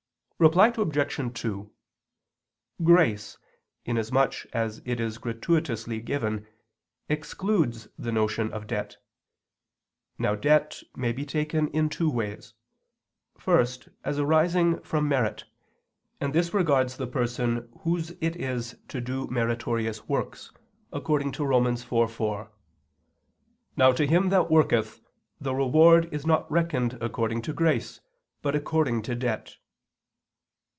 Reply Obj. 2: Grace, inasmuch as it is gratuitously given, excludes the notion of debt. Now debt may be taken in two ways: first, as arising from merit; and this regards the person whose it is to do meritorious works, according to Rom. 4:4: "Now to him that worketh, the reward is not reckoned according to grace, but according to debt."